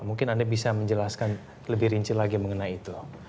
mungkin anda bisa menjelaskan lebih rinci lagi mengenai itu